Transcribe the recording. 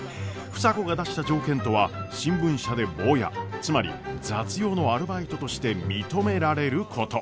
房子が出した条件とは新聞社でボーヤつまり雑用のアルバイトとして認められること。